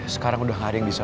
sekarang udah gak ada yang bisa